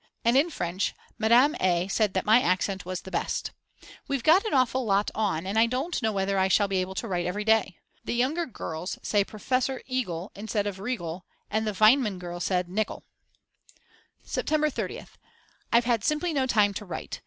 And in French Madame A. said that my accent was the best. We've got an awful lot on and I don't know whether I shall be able to write every day. The younger girls say Professor Igel instead of Riegel and the Weinmann girl said Nikel. September 30th. I've had simply no time to write.